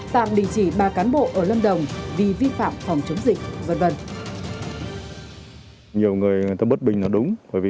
tạm đình chỉ ba cán bộ ở lâm đồng vì vi phạm phòng chống dịch v v